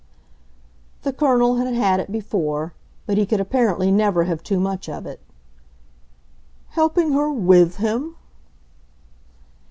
The Colonel had had it before, but he could apparently never have too much of it. "Helping her 'with' him